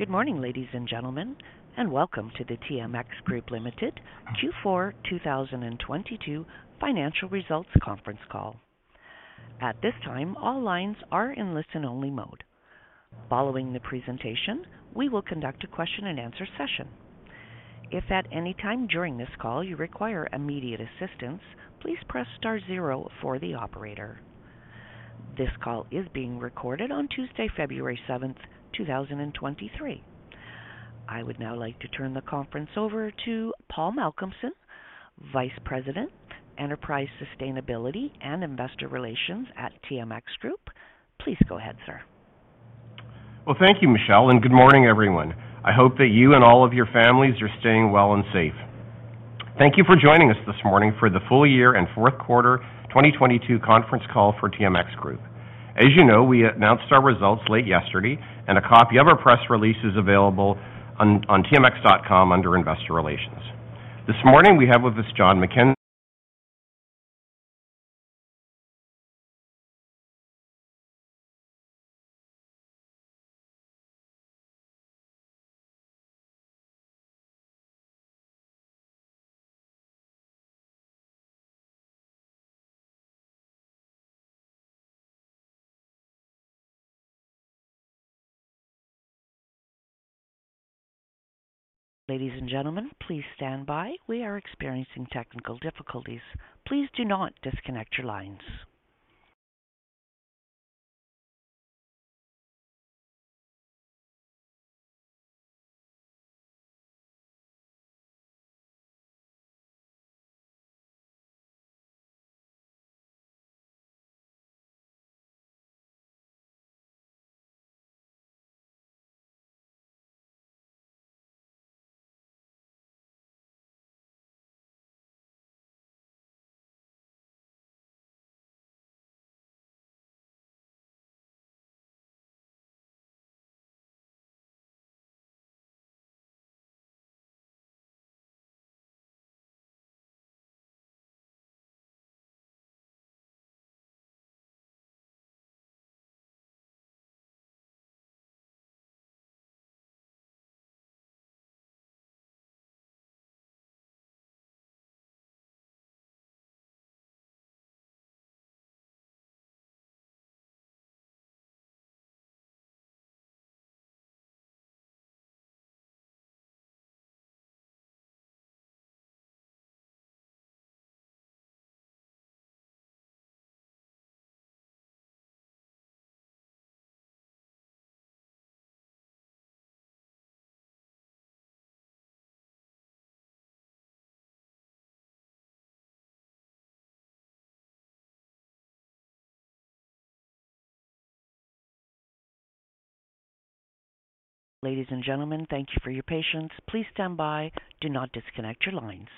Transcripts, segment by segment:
Good morning, ladies and gentlemen, and welcome to the TMX Group Limited Q4 2022 financial results conference call. At this time, all lines are in listen-only mode. Following the presentation, we will conduct a question-and-answer session. If at any time during this call you require immediate assistance, please press star zero for the operator. This call is being recorded on Tuesday, February 7, 2023. I would now like to turn the conference over to Paul Malcolmson, Vice President, Enterprise Sustainability and Investor Relations at TMX Group. Please go ahead, sir. Well, thank you, Michelle, and good morning, everyone. I hope that you and all of your families are staying well and safe. Thank you for joining us this morning for the full year and fourth quarter 2022 conference call for TMX Group. As you know, we announced our results late yesterday, and a copy of our press release is available on tmx.com under Investor Relations. This morning, we have with us John McKenzie. Ladies and gentlemen, please stand by. We are experiencing technical difficulties. Please do not disconnect your lines. Ladies and gentlemen, thank you for your patience. Please stand by. Do not disconnect your lines.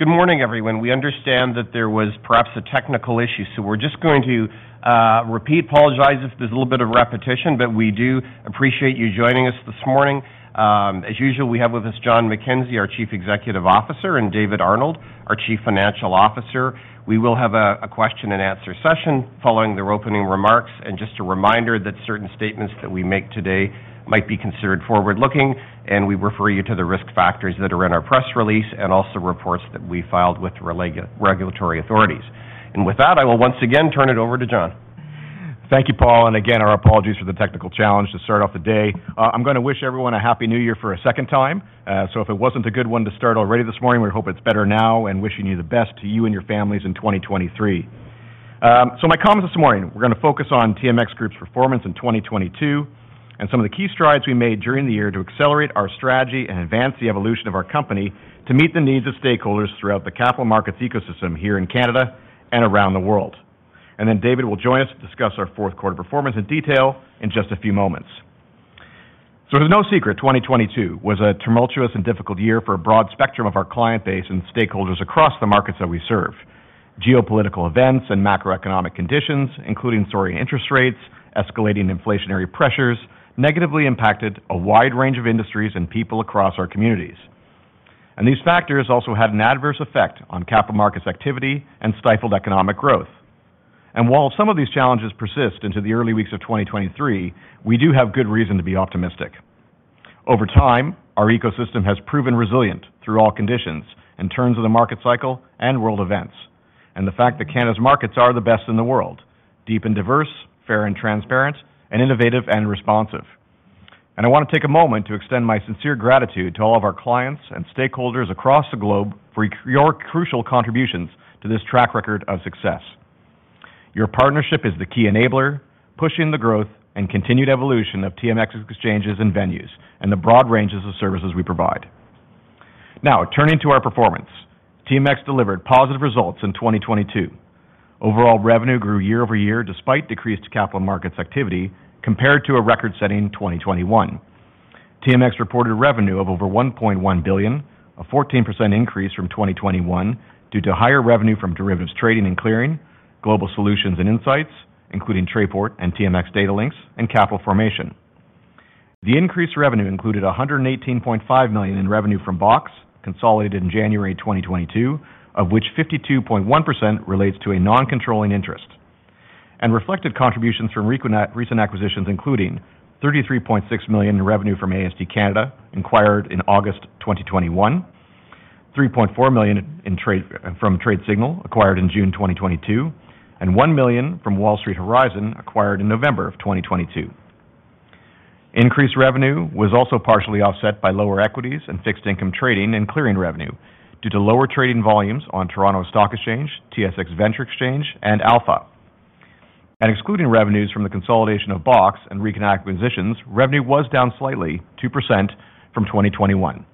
Good morning, everyone. We understand that there was perhaps a technical issue, we're just going to repeat. Apologize if there's a little bit of repetition, we do appreciate you joining us this morning. As usual, we have with us John McKenzie, our Chief Executive Officer, and David Arnold, our Chief Financial Officer. We will have aquestion and answer session following their opening remarks. Just a reminder that certain statements that we make today might be considered forward-looking, and we refer you to the risk factors that are in our press release and also reports that we filed with regulatory authorities. With that, I will once again turn it over to John. Thank you, Paul. Again, our apologies for the technical challenge to start off the day. I'm gonna wish everyone a Happy New Year for a second time. If it wasn't a good one to start already this morning, we hope it's better now and wishing you the best to you and your families in 2023. My comments this morning, we're gonna focus on TMX Group's performance in 2022 and some of the key strides we made during the year to accelerate our strategy and advance the evolution of our company to meet the needs of stakeholders throughout the capital markets ecosystem here in Canada and around the world. David will join us to discuss our fourth quarter performance in detail in just a few moments. It's no secret 2022 was a tumultuous and difficult year for a broad spectrum of our client base and stakeholders across the markets that we serve. Geopolitical events and macroeconomic conditions, including soaring interest rates, escalating inflationary pressures, negatively impacted a wide range of industries and people across our communities. These factors also had an adverse effect on capital markets activity and stifled economic growth. While some of these challenges persist into the early weeks of 2023, we do have good reason to be optimistic. Over time, our ecosystem has proven resilient through all conditions in terms of the market cycle and world events, and the fact that Canada's markets are the best in the world, deep and diverse, fair and transparent, and innovative and responsive. I want to take a moment to extend my sincere gratitude to all of our clients and stakeholders across the globe for your crucial contributions to this track record of success. Your partnership is the key enabler, pushing the growth and continued evolution of TMX's exchanges and venues and the broad ranges of services we provide. Now, turning to our performance. TMX delivered positive results in 2022. Overall revenue grew year-over-year despite decreased capital markets activity compared to a record-setting 2021. TMX reported revenue of over 1.1 billion, a 14% increase from 2021 due to higher revenue from derivatives trading and clearing, global solutions and insights, including Trayport and TMX Datalinx, and capital formation. The increased revenue included 118.5 million in revenue from BOX, consolidated in January 2022, of which 52.1% relates to a non-controlling interest, and reflected contributions from recent acquisitions including CAD 33.6 million in revenue from AST Canada acquired in August 2021, CAD 3.4 million from Tradesignal acquired in June 2022, and CAD 1 million from Wall Street Horizon acquired in November 2022. Increased revenue was also partially offset by lower equities and fixed income trading and clearing revenue due to lower trading volumes on Toronto Stock Exchange, TSX Venture Exchange, and Alpha. Excluding revenues from the consolidation of BOX and recent acquisitions, revenue was down slightly 2% from 2021.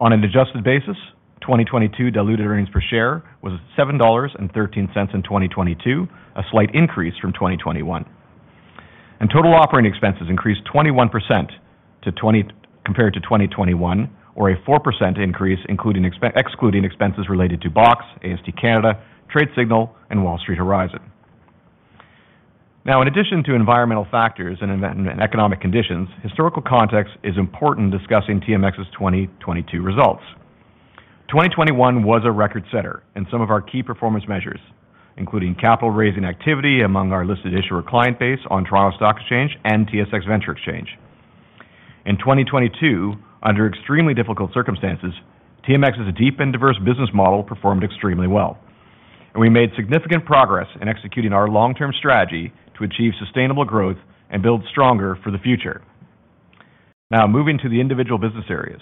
On an adjusted basis, 2022 diluted EPS was $7.13 in 2022, a slight increase from 2021. Total operating expenses increased 21% compared to 2021, or a 4% increase, excluding expenses related to BOX, AST Canada, Tradesignal, and Wall Street Horizon. In addition to environmental factors and economic conditions, historical context is important discussing TMX's 2022 results. 2021 was a record setter in some of our key performance measures, including capital raising activity among our listed issuer client base on Toronto Stock Exchange and TSX Venture Exchange. In 2022, under extremely difficult circumstances, TMX's deep and diverse business model performed extremely well. We made significant progress in executing our long-term strategy to achieve sustainable growth and build stronger for the future. Moving to the individual business areas.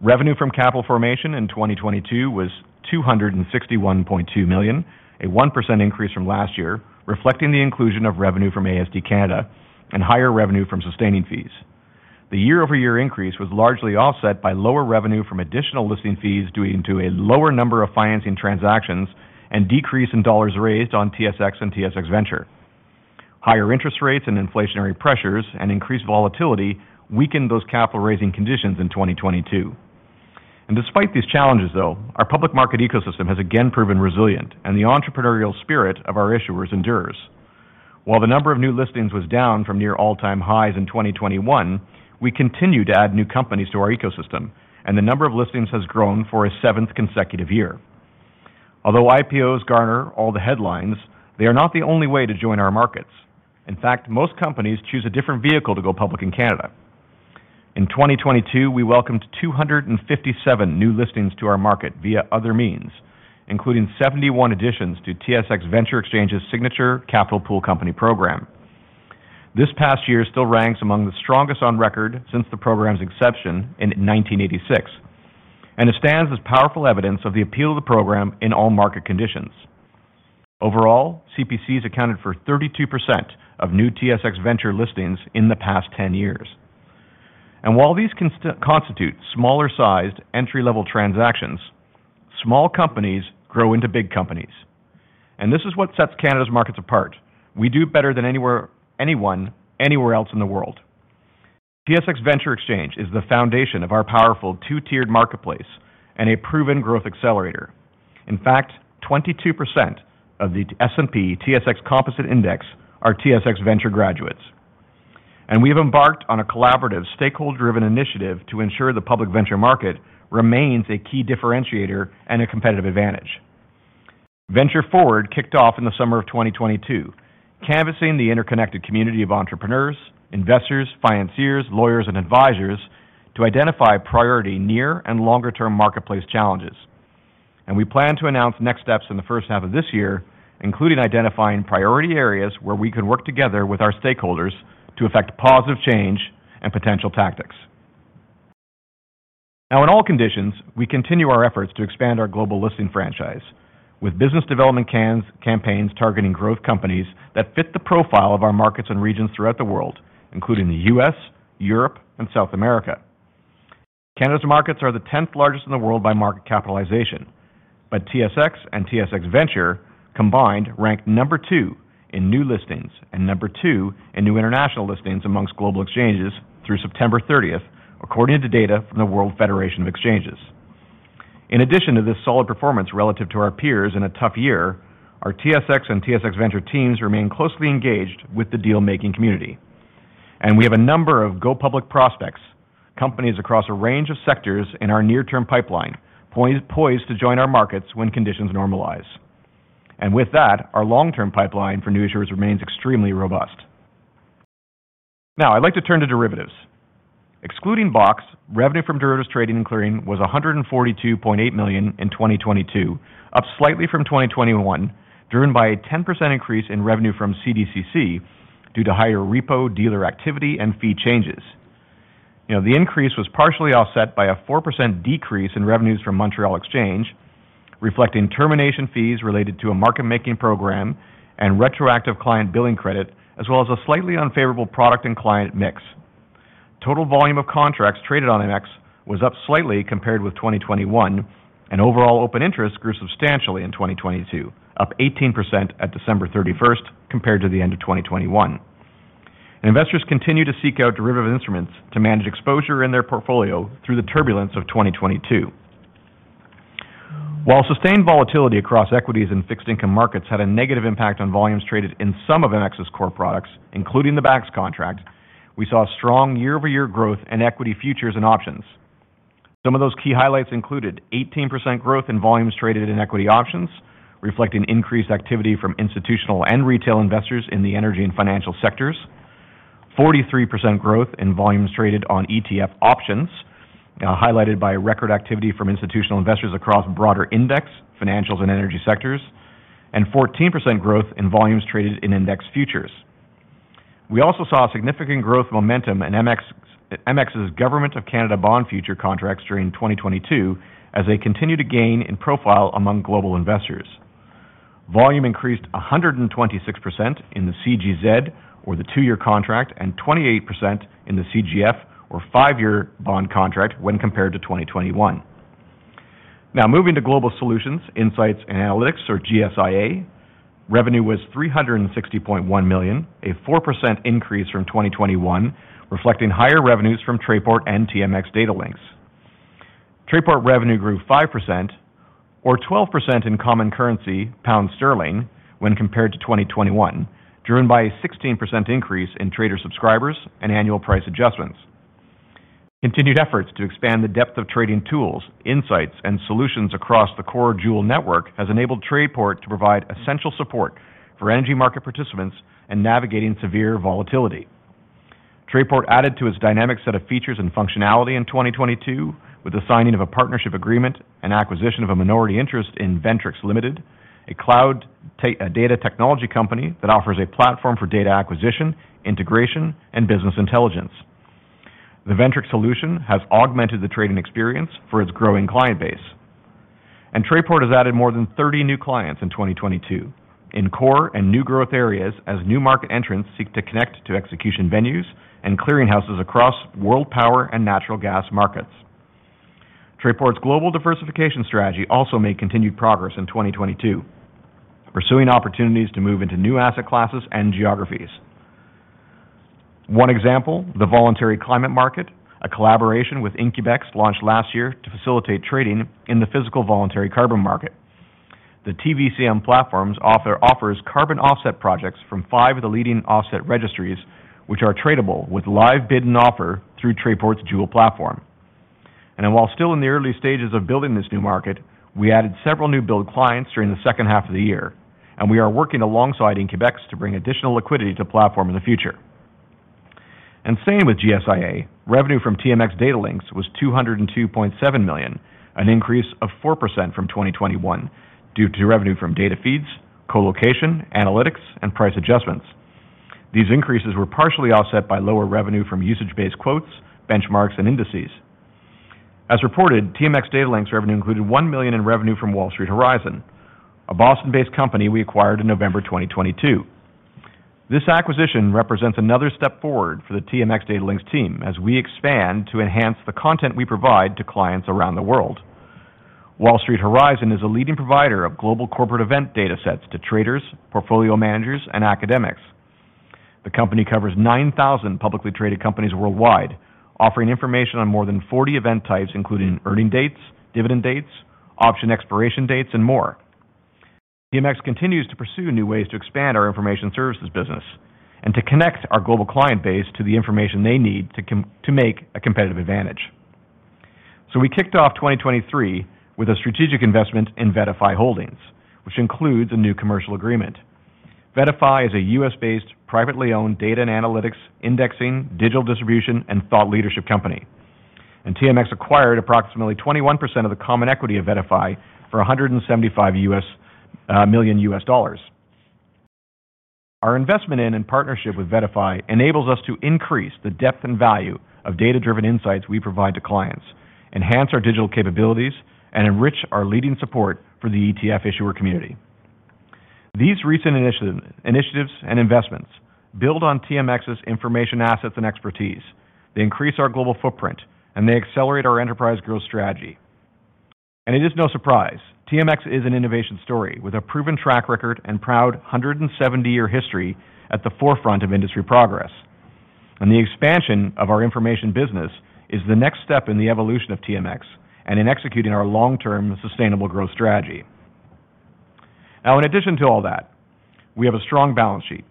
Revenue from capital formation in 2022 was 261.2 million, a 1% increase from last year, reflecting the inclusion of revenue from AST Canada and higher revenue from sustaining fees. The year-over-year increase was largely offset by lower revenue from additional listing fees due into a lower number of financing transactions and decrease in dollars raised on TSX and TSX Venture. Higher interest rates and inflationary pressures and increased volatility weakened those capital raising conditions in 2022. Despite these challenges, though, our public market ecosystem has again proven resilient, and the entrepreneurial spirit of our issuers endures. While the number of new listings was down from near all-time highs in 2021, we continue to add new companies to our ecosystem. The number of listings has grown for a seventh consecutive year. Although IPOs garner all the headlines, they are not the only way to join our markets. In fact, most companies choose a different vehicle to go public in Canada. In 2022, we welcomed 257 new listings to our market via other means, including 71 additions to TSX Venture Exchange's signature Capital Pool Company program. This past year still ranks among the strongest on record since the program's inception in 1986. It stands as powerful evidence of the appeal of the program in all market conditions. Overall, CPCs accounted for 32% of new TSX Venture listings in the past 10 years. While these constitute smaller sized entry-level transactions, small companies grow into big companies. This is what sets Canada's markets apart. We do better than anyone, anywhere else in the world. TSX Venture Exchange is the foundation of our powerful two-tiered marketplace and a proven growth accelerator. In fact, 22% of the S&P/TSX Composite Index are TSX Venture graduates. We have embarked on a collaborative, stakeholder-driven initiative to ensure the public venture market remains a key differentiator and a competitive advantage. Venture Forward kicked off in the summer of 2022, canvassing the interconnected community of entrepreneurs, investors, financiers, lawyers, and advisors to identify priority near and longer-term marketplace challenges. We plan to announce next steps in the first half of this year, including identifying priority areas where we could work together with our stakeholders to effect positive change and potential tactics. Now in all conditions, we continue our efforts to expand our global listing franchise with business development campaigns targeting growth companies that fit the profile of our markets and regions throughout the world, including the U.S., Europe, and South America. Canada's markets are the 10th largest in the world by market capitalization, but TSX and TSX Venture combined ranked number two in new listings and number two in new international listings amongst global exchanges through September 30th, according to data from the World Federation of Exchanges. In addition to this solid performance relative to our peers in a tough year, our TSX and TSX Venture teams remain closely engaged with the deal-making community. We have a number of go public prospects, companies across a range of sectors in our near-term pipeline, poised to join our markets when conditions normalize. With that, our long-term pipeline for new issuers remains extremely robust. Now, I'd like to turn to derivatives. Excluding BOX, revenue from derivatives trading and clearing was 142.8 million in 2022, up slightly from 2021, driven by a 10% increase in revenue from CDCC due to higher repo dealer activity and fee changes. You know, the increase was partially offset by a 4% decrease in revenues from Montréal Exchange, reflecting termination fees related to a market-making program and retroactive client billing credit, as well as a slightly unfavorable product and client mix. Total volume of contracts traded on MX was up slightly compared with 2021, and overall open interest grew substantially in 2022, up 18% at December 31st compared to the end of 2021. Investors continue to seek out derivative instruments to manage exposure in their portfolio through the turbulence of 2022. While sustained volatility across equities and fixed income markets had a negative impact on volumes traded in some of MX's core products, including the BAX contract, we saw strong year-over-year growth in equity futures and options. Some of those key highlights included 18% growth in volumes traded in equity options, reflecting increased activity from institutional and retail investors in the energy and financial sectors, 43% growth in volumes traded on ETF options, highlighted by record activity from institutional investors across broader index, financials, and energy sectors, and 14% growth in volumes traded in index futures. We also saw significant growth momentum in MX's Government of Canada bond future contracts during 2022 as they continue to gain in profile among global investors. Volume increased 126% in the CGZ, or the two-year contract, and 28% in the CGF or five-year bond contract when compared to 2021. Moving to Global Solutions, Insights, and Analytics, or GSIA, revenue was $360.1 million, a 4% increase from 2021, reflecting higher revenues from Trayport and TMX Datalinx. Trayport revenue grew 5% or 12% in common currency, pound sterling, when compared to 2021, driven by a 16% increase in trader subscribers and annual price adjustments. Continued efforts to expand the depth of trading tools, insights, and solutions across the core Joule network has enabled Trayport to provide essential support for energy market participants in navigating severe volatility. Trayport added to its dynamic set of features and functionality in 2022 with the signing of a partnership agreement and acquisition of a minority interest in Ventriks LTD, a cloud a data technology company that offers a platform for data acquisition, integration, and business intelligence. The Ventriks solution has augmented the trading experience for its growing client base. Trayport has added more than 30 new clients in 2022 in core and new growth areas as new market entrants seek to connect to execution venues and clearing houses across world power and natural gas markets. Trayport's global diversification strategy also made continued progress in 2022, pursuing opportunities to move into new asset classes and geographies. One example, the Voluntary Climate Market, a collaboration with IncubEx launched last year to facilitate trading in the physical voluntary carbon market. The TVCM platforms offers carbon offset projects from five of the leading offset registries, which are tradable with live bid and offer through Trayport's Joule platform. While still in the early stages of building this new market, we added several new build clients during the second half of the year, and we are working alongside IncubEx to bring additional liquidity to platform in the future. Same with GSIA, revenue from TMX Datalinx was 202.7 million, an increase of 4% from 2021 due to revenue from data feeds, co-location, analytics, and price adjustments. These increases were partially offset by lower revenue from usage-based quotes, benchmarks, and indices. As reported, TMX Datalinx revenue included 1 million in revenue from Wall Street Horizon, a Boston-based company we acquired in November 2022. This acquisition represents another step forward for the TMX Datalinx team as we expand to enhance the content we provide to clients around the world. Wall Street Horizon is a leading provider of global corporate event data sets to traders, portfolio managers, and academics. The company covers 9,000 publicly traded companies worldwide, offering information on more than 40 event types, including earnings dates, dividend dates, option expiration dates, and more. TMX continues to pursue new ways to expand our information services business and to connect our global client base to the information they need to make a competitive advantage. We kicked off 2023 with a strategic investment in VettaFi Holdings, which includes a new commercial agreement. VettaFi is a U.S.-based, privately-owned data and analytics indexing, digital distribution, and thought leadership company. TMX acquired approximately 21% of the common equity of VettaFi for $175 million U.S. dollars. Our investment in and partnership with VettaFi enables us to increase the depth and value of data-driven insights we provide to clients, enhance our digital capabilities, and enrich our leading support for the ETF issuer community. These recent initiatives and investments build on TMX's information assets and expertise. They increase our global footprint, they accelerate our enterprise growth strategy. It is no surprise, TMX is an innovation story with a proven track record and proud 170-year history at the forefront of industry progress. The expansion of our information business is the next step in the evolution of TMX and in executing our long-term sustainable growth strategy. Now, in addition to all that, we have a strong balance sheet.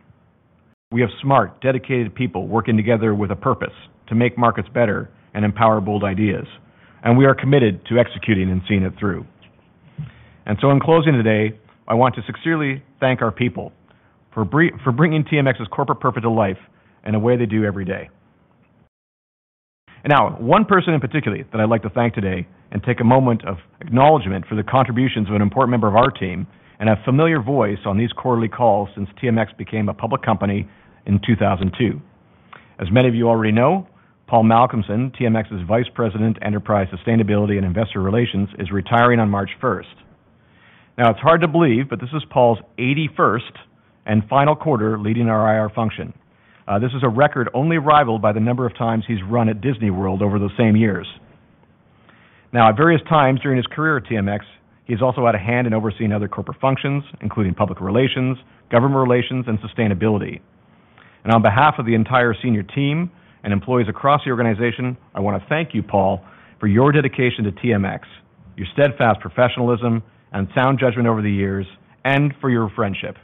We have smart, dedicated people working together with a purpose to make markets better and empower bold ideas, we are committed to executing and seeing it through. In closing today, I want to sincerely thank our people for bringing TMX's corporate purpose to life in a way they do every day. One person in particular that I'd like to thank today and take a moment of acknowledgment for the contributions of an important member of our team and a familiar voice on these quarterly calls since TMX became a public company in 2002. As many of you already know, Paul Malcolmson, TMX's Vice President, Enterprise Sustainability and Investor Relations, is retiring on March 1st. It's hard to believe, but this is Paul's 81st and final quarter leading our IR function. This is a record only rivaled by the number of times he's run at Disney World over those same years. Now, at various times during his career at TMX, he's also had a hand in overseeing other corporate functions, including public relations, government relations, and sustainability. On behalf of the entire senior team and employees across the organization, I want to thank you, Paul, for your dedication to TMX, your steadfast professionalism and sound judgment over the years, and for your friendship.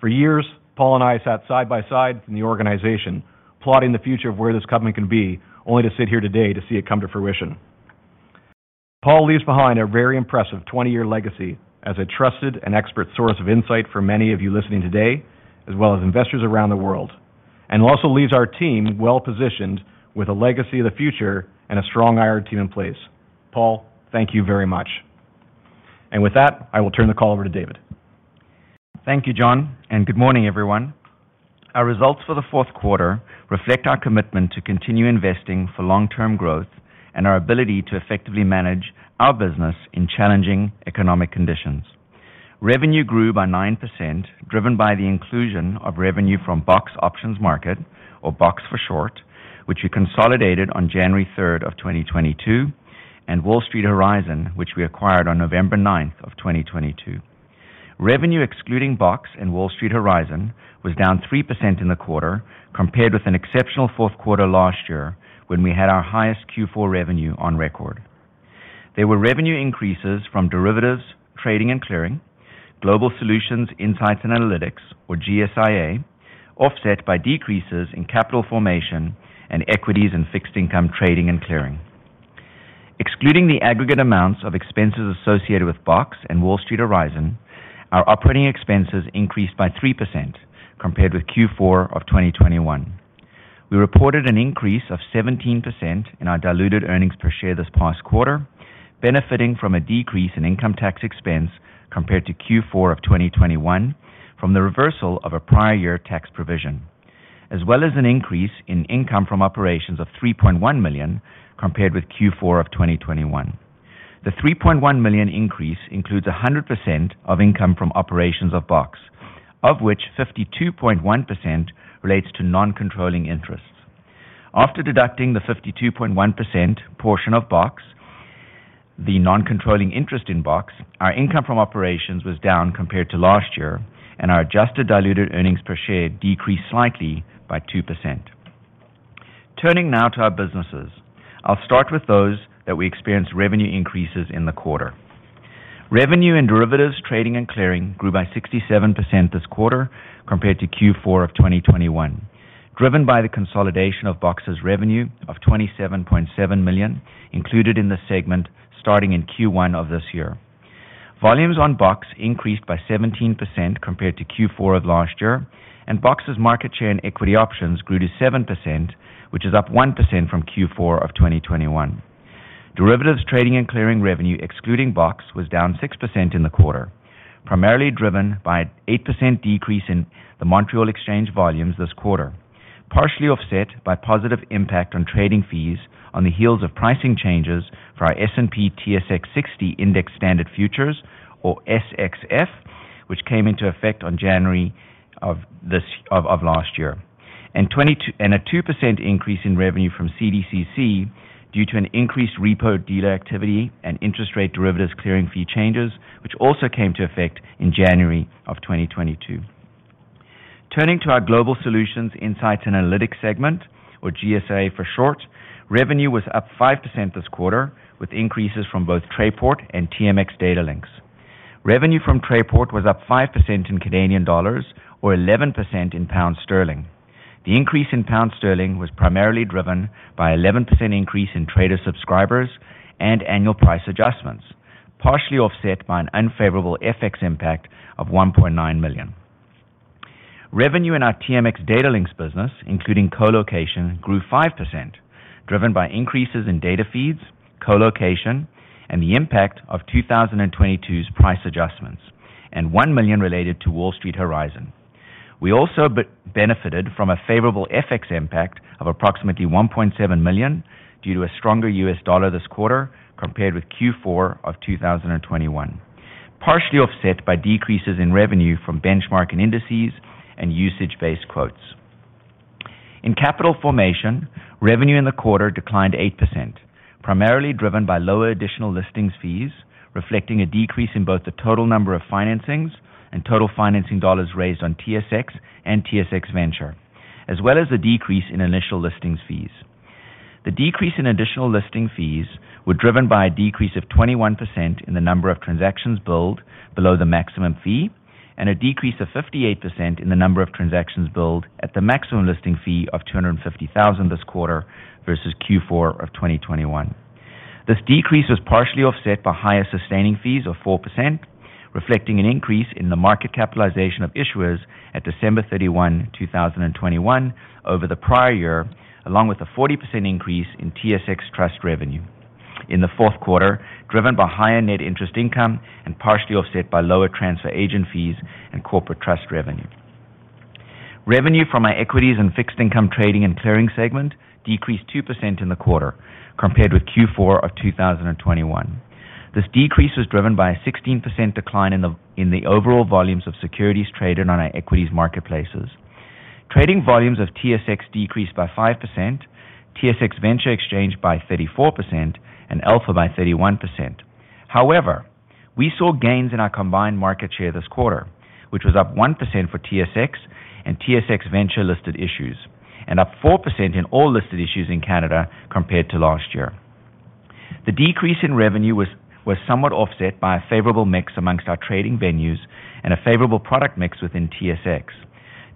For years, Paul and I sat side by side in the organization, plotting the future of where this company can be, only to sit here today to see it come to fruition. Paul leaves behind a very impressive 20-year legacy as a trusted and expert source of insight for many of you listening today, as well as investors around the world, also leaves our team well-positioned with a legacy of the future and a strong IR team in place. Paul, thank you very much. With that, I will turn the call over to David. Thank you, John, good morning, everyone. Our results for the fourth quarter reflect our commitment to continue investing for long-term growth and our ability to effectively manage our business in challenging economic conditions. Revenue grew by 9%, driven by the inclusion of revenue from BOX Options Market, or BOX for short, which we consolidated on January 3rd of 2022, and Wall Street Horizon, which we acquired on November 9th of 2022. Revenue excluding BOX and Wall Street Horizon was down 3% in the quarter compared with an exceptional fourth quarter last year when we had our highest Q4 revenue on record. There were revenue increases from derivatives, trading and clearing, Global Solutions Insights and Analytics, or GSIA, offset by decreases in capital formation and equities and fixed income trading and clearing. Excluding the aggregate amounts of expenses associated with BOX and Wall Street Horizon, our operating expenses increased by 3% compared with Q4 of 2021. We reported an increase of 17% in our diluted earnings per share this past quarter, benefiting from a decrease in income tax expense compared to Q4 of 2021 from the reversal of a prior year tax provision, as well as an increase in income from operations of 3.1 million compared with Q4 of 2021. The 3.1 million increase includes 100% of income from operations of BOX, of which 52.1% relates to non-controlling interests. After deducting the 52.1% portion of BOX, the non-controlling interest in BOX, our income from operations was down compared to last year, and our adjusted diluted earnings per share decreased slightly by 2%. Turning now to our businesses. I'll start with those that we experienced revenue increases in the quarter. Revenue and derivatives trading and clearing grew by 67% this quarter compared to Q4 of 2021, driven by the consolidation of BOX's revenue of $27.7 million included in the segment starting in Q1 of this year. Volumes on BOX increased by 17% compared to Q4 of last year, and BOX's market share and equity options grew to 7%, which is up 1% from Q4 of 2021. Derivatives trading and clearing revenue, excluding BOX, was down 6% in the quarter, primarily driven by 8% decrease in the Montréal Exchange volumes this quarter, partially offset by positive impact on trading fees on the heels of pricing changes for our S&P/TSX 60 Index Standard Futures or SXF, which came into effect on January of last year. A 2% increase in revenue from CDCC due to an increased repo dealer activity and interest rate derivatives clearing fee changes, which also came to effect in January of 2022. Turning to our Global Solutions Insights and Analytics segment, or GSA for short, revenue was up 5% this quarter, with increases from both Trayport and TMX Datalinx. Revenue from Trayport was up 5% in Canadian dollars or 11% in pound sterling. The increase in pound sterling was primarily driven by 11% increase in trader subscribers and annual price adjustments, partially offset by an unfavorable FX impact of 1.9 million. Revenue in our TMX Datalinx business, including colocation, grew 5%, driven by increases in data feeds, colocation, and the impact of 2022's price adjustments and 1 million related to Wall Street Horizon. We also benefited from a favorable FX impact of approximately $1.7 million due to a stronger US dollar this quarter compared with Q4 of 2021, partially offset by decreases in revenue from benchmark and indices and usage-based quotes. In capital formation, revenue in the quarter declined 8%, primarily driven by lower additional listings fees, reflecting a decrease in both the total number of financings and total financing dollars raised on TSX and TSX Venture, as well as the decrease in initial listings fees. The decrease in additional listing fees were driven by a decrease of 21% in the number of transactions billed below the maximum fee and a decrease of 58% in the number of transactions billed at the maximum listing fee of 250,000 this quarter versus Q4 of 2021. This decrease was partially offset by higher sustaining fees of 4%, reflecting an increase in the market capitalization of issuers at December 31, 2021 over the prior year, along with a 40% increase in TSX trust revenue in the fourth quarter, driven by higher net interest income and partially offset by lower transfer agent fees and corporate trust revenue. Revenue from our equities and fixed income trading and clearing segment decreased 2% in the quarter compared with Q4 of 2021. This decrease was driven by a 16% decline in the overall volumes of securities traded on our equities marketplaces. Trading volumes of TSX decreased by 5%, TSX Venture Exchange by 34%, and Alpha by 31%. However, we saw gains in our combined market share this quarter, which was up 1% for TSX and TSX Venture listed issues and up 4% in all listed issues in Canada compared to last year. The decrease in revenue was somewhat offset by a favorable mix amongst our trading venues and a favorable product mix within TSX.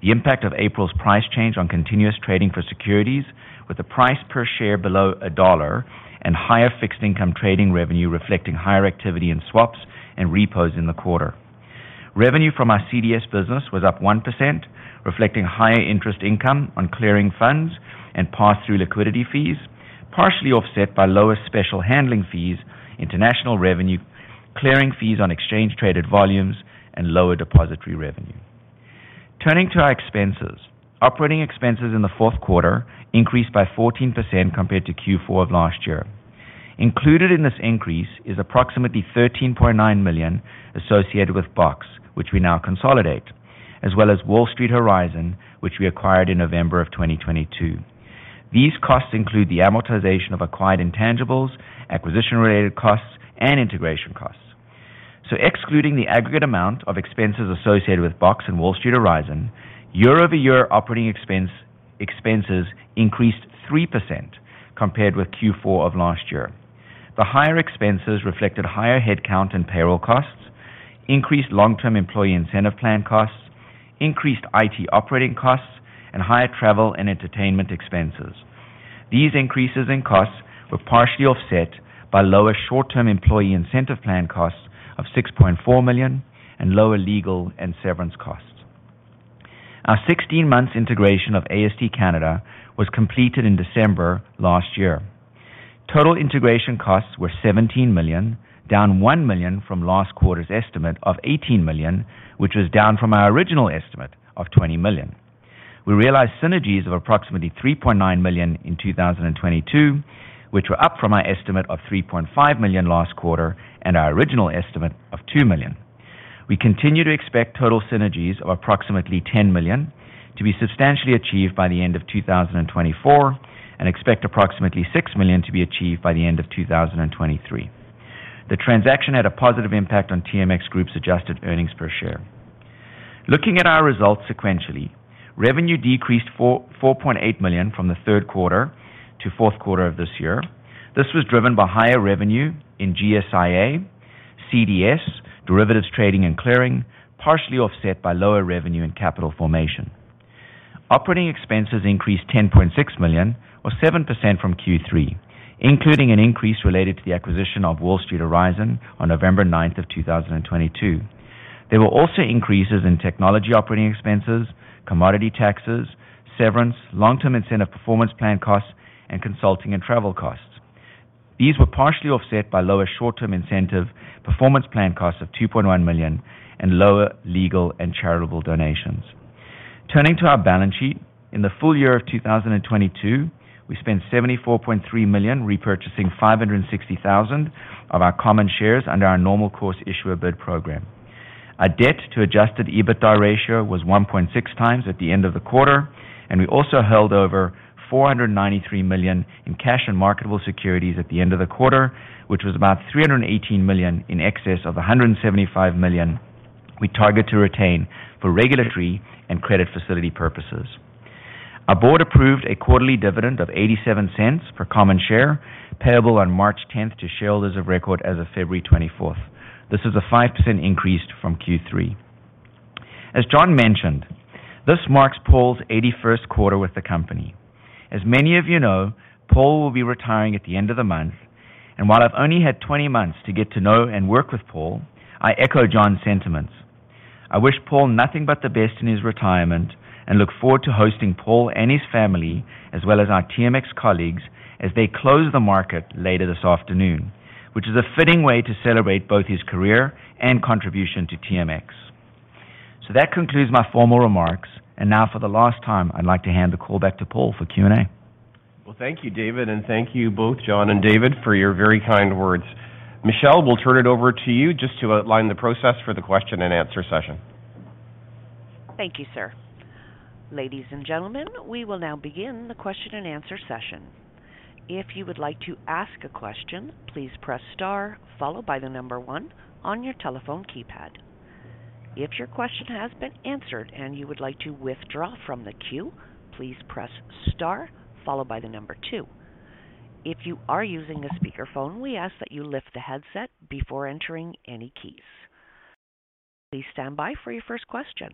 The impact of April's price change on continuous trading for securities with the price per share below CAD 1 and higher fixed income trading revenue reflecting higher activity in swaps and repos in the quarter. Revenue from our CDS business was up 1%, reflecting higher interest income on clearing funds and pass-through liquidity fees, partially offset by lower special handling fees, international revenue, clearing fees on exchange traded volumes, and lower depository revenue. Turning to our expenses. Operating expenses in the fourth quarter increased by 14% compared to Q4 of last year. Included in this increase is approximately 13.9 million associated with BOX, which we now consolidate, as well as Wall Street Horizon, which we acquired in November of 2022. These costs include the amortization of acquired intangibles, acquisition-related costs, and integration costs. Excluding the aggregate amount of expenses associated with BOX and Wall Street Horizon, year-over-year operating expenses increased 3% compared with Q4 of last year. The higher expenses reflected higher headcount and payroll costs, increased long-term employee incentive plan costs, increased IT operating costs, and higher travel and entertainment expenses. These increases in costs were partially offset by lower short-term employee incentive plan costs of 6.4 million and lower legal and severance costs. Our 16 months integration of AST Canada was completed in December last year. Total integration costs were 17 million, down 1 million from last quarter's estimate of 18 million, which was down from our original estimate of 20 million. We realized synergies of approximately 3.9 million in 2022, which were up from our estimate of 3.5 million last quarter and our original estimate of 2 million. We continue to expect total synergies of approximately 10 million to be substantially achieved by the end of 2024, and expect approximately 6 million to be achieved by the end of 2023. The transaction had a positive impact on TMX Group's adjusted earnings per share. Looking at our results sequentially, revenue decreased 4.8 million from the third quarter to fourth quarter of this year. This was driven by higher revenue in GSIA, CDS, derivatives trading and clearing, partially offset by lower revenue and capital formation. Operating expenses increased 10.6 million or 7% from Q3, including an increase related to the acquisition of Wall Street Horizon on November 9, 2022. There were also increases in technology operating expenses, commodity taxes, severance, long-term incentive performance plan costs, and consulting and travel costs. These were partially offset by lower short-term incentive performance plan costs of 2.1 million and lower legal and charitable donations. Turning to our balance sheet, in the full year of 2022, we spent 74.3 million repurchasing 560,000 of our common shares under our normal course issuer bid program. Our debt to adjusted EBITDA ratio was 1.6x at the end of the quarter, and we also held over 493 million in cash and marketable securities at the end of the quarter, which was about 318 million in excess of 175 million we target to retain for regulatory and credit facility purposes. Our board approved a quarterly dividend of 0.87 per common share, payable on March 10th to shareholders of record as of February 24th. This is a 5% increase from Q3. As John mentioned, this marks Paul's 81st quarter with the company. As many of you know, Paul will be retiring at the end of the month. While I've only had 20 months to get to know and work with Paul, I echo John's sentiments. I wish Paul nothing but the best in his retirement and look forward to hosting Paul and his family, as well as our TMX colleagues as they close the market later this afternoon, which is a fitting way to celebrate both his career and contribution to TMX. That concludes my formal remarks. Now for the last time, I'd like to hand the call back to Paul for Q&A. Well, thank you, David, and thank you both John and David for your very kind words. Michelle, we'll turn it over to you just to outline the process for the question and answer session. Thank you, sir. Ladies and gentlemen, we will now begin the question and answer session. If you would like to ask a question, please press star followed by the number one on your telephone keypad. If your question has been answered and you would like to withdraw from the queue, please press star followed by the number two. If you are using a speakerphone, we ask that you lift the headset before entering any keys. Please stand by for your first question.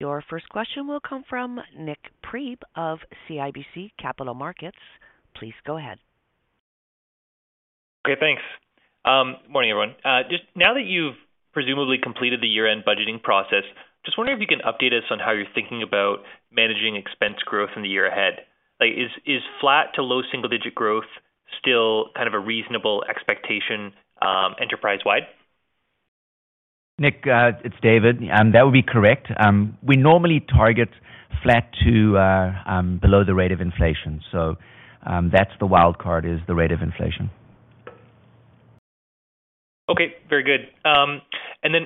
Your first question will come from Nik Priebe of CIBC Capital Markets. Please go ahead. Okay, thanks. Morning, everyone. Just now that you've presumably completed the year-end budgeting process, just wondering if you can update us on how you're thinking about managing expense growth in the year ahead. Like is flat to low single-digit growth still kind of a reasonable expectation, enterprise-wide? Nik, it's David. That would be correct. We normally target flat to below the rate of inflation. That's the wild card, is the rate of inflation. Okay, very good.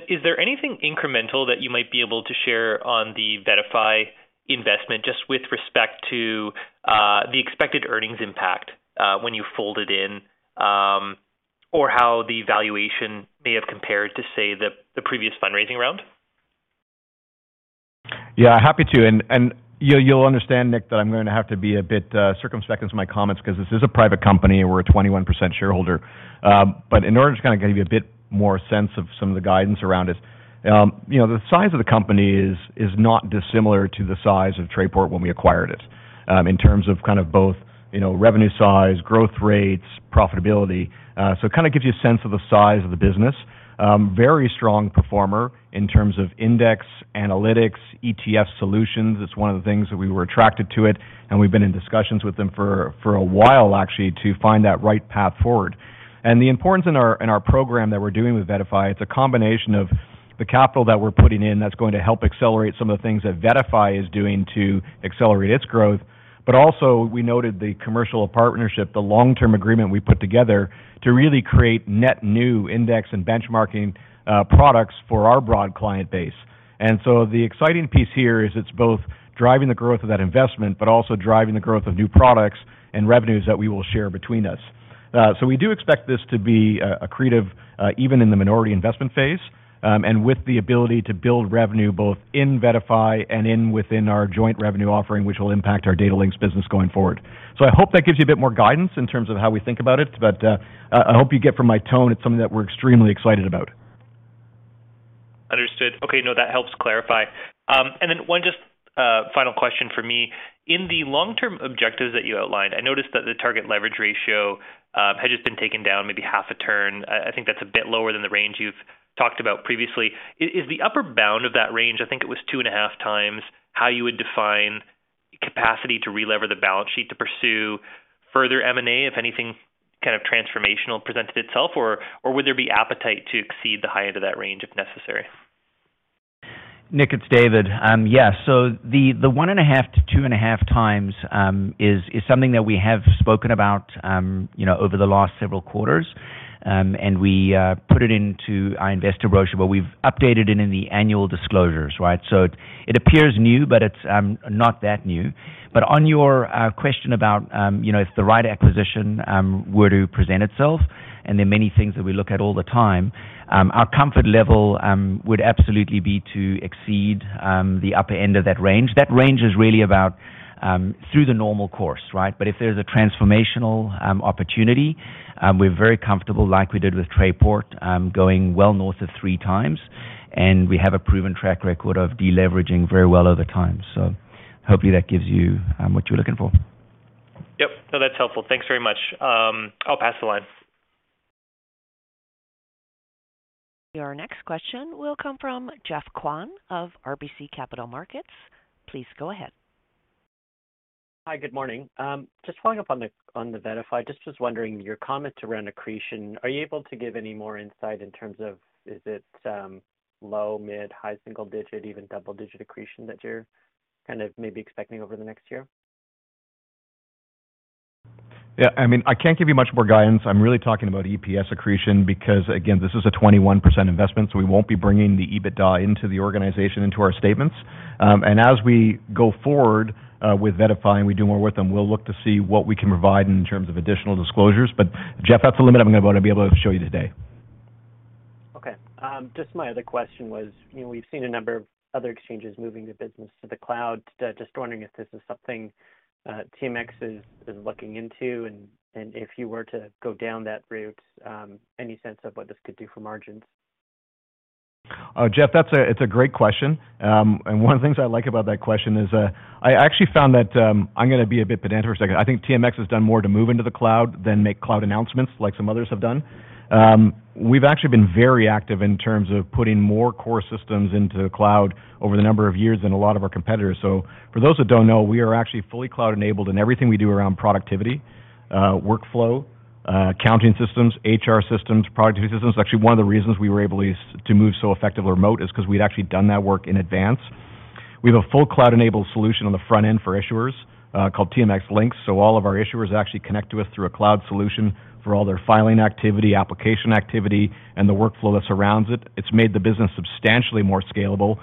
Is there anything incremental that you might be able to share on the VettaFi investment, just with respect to the expected earnings impact when you fold it in, or how the valuation may have compared to, say, the previous fundraising round? Yeah, happy to. You'll understand, Nik, that I'm going to have to be a bit circumspect in my comments because this is a private company and we're a 21% shareholder. In order to kind of give you a bit more sense of some of the guidance around it, you know, the size of the company is not dissimilar to the size of Trayport when we acquired it, in terms of kind of both, you know, revenue size, growth rates, profitability. It kind of gives you a sense of the size of the business. Very strong performer in terms of index, analytics, ETF solutions. It's one of the things that we were attracted to it, and we've been in discussions with them for a while actually, to find that right path forward. The importance in our program that we're doing with VettaFi, it's a combination of the capital that we're putting in that's going to help accelerate some of the things that VettaFi is doing to accelerate its growth. Also we noted the commercial partnership, the long-term agreement we put together to really create net new index and benchmarking products for our broad client base. The exciting piece here is it's both driving the growth of that investment but also driving the growth of new products and revenues that we will share between us. We do expect this to be accretive even in the minority investment phase, and with the ability to build revenue both in VettaFi and within our joint revenue offering, which will impact our TMX Datalinx business going forward. I hope that gives you a bit more guidance in terms of how we think about it, but I hope you get from my tone it's something that we're extremely excited about. Understood. Okay. No, that helps clarify. One just final question from me. In the long-term objectives that you outlined, I noticed that the target leverage ratio has just been taken down maybe half a turn. I think that's a bit lower than the range you've talked about previously. Is the upper bound of that range, I think it was 2.5x, how you would define capacity to relever the balance sheet to pursue further M&A if anything kind of transformational presented itself, or would there be appetite to exceed the high end of that range if necessary? Nik, it's David. Yeah. The 1.5x-2.5x is something that we have spoken about, you know, over the last several quarters. We put it into our investor brochure, but we've updated it in the annual disclosures, right? It appears new, but it's not that new. On your question about, you know, if the right acquisition were to present itself There are many things that we look at all the time. Our comfort level would absolutely be to exceed the upper end of that range. That range is really about through the normal course. Right? If there's a transformational opportunity, we're very comfortable, like we did with Trayport, going well north of 3x, and we have a proven track record of deleveraging very well over time. Hopefully that gives you what you're looking for. Yep. No, that's helpful. Thanks very much. I'll pass the line. Your next question will come from Geoff Kwan of RBC Capital Markets. Please go ahead. Hi. Good morning. Just following up on the VettaFi. Just was wondering your comments around accretion. Are you able to give any more insight in terms of is it, low, mid, high single digit, even double-digit accretion that you're kind of maybe expecting over the next year? Yeah, I mean, I can't give you much more guidance. I'm really talking about EPS accretion because, again, this is a 21% investment, so we won't be bringing the EBITDA into the organization, into our statements. As we go forward, with VettaFi, and we do more with them, we'll look to see what we can provide in terms of additional disclosures. Geoff, that's the limit I'm going to be able to show you today. Okay. Just my other question was, you know, we've seen a number of other exchanges moving the business to the cloud. Just wondering if this is something TMX is looking into, and if you were to go down that route, any sense of what this could do for margins? Geoff, that's it's a great question. One of the things I like about that question is I actually found that I'm going to be a bit pedantic for a second. I think TMX has done more to move into the cloud than make cloud announcements like some others have done. We've actually been very active in terms of putting more core systems into the cloud over the number of years than a lot of our competitors. For those that don't know, we are actually fully cloud enabled in everything we do around productivity, workflow, accounting systems, HR systems, productivity systems. Actually, one of the reasons we were able to move so effective remote is because we'd actually done that work in advance. We have a full cloud-enabled solution on the front end for issuers, called TMX Linx. All of our issuers actually connect to us through a cloud solution for all their filing activity, application activity, and the workflow that surrounds it. It's made the business substantially more scalable.